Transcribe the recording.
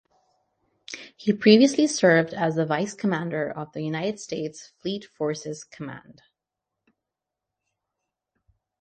He previously served as the Vice Commander of the United States Fleet Forces Command.